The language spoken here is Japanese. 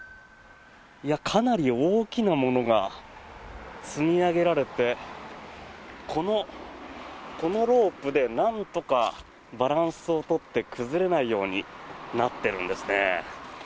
かなり大きなものが積み上げられてこのロープでなんとかバランスを取って崩れないようになってるんですね。